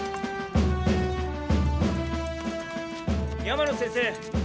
山野先生。